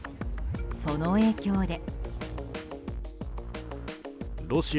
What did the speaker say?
その影響で。